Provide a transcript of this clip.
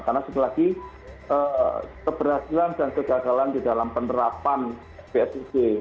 karena sekali lagi keberhasilan dan kegagalan di dalam penerapan psbb